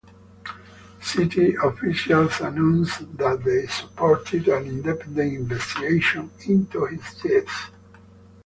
City officials announced that they supported an independent investigation into his death.